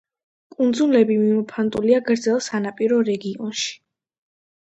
კუნძულები მიმოფანტულია გრძელ სანაპირო რეგიონში.